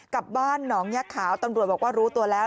กลับบ้านหนองยะขาวตำรวจบอกว่ารู้ตัวแล้ว